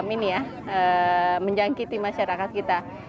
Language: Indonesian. ini ya menjangkiti masyarakat kita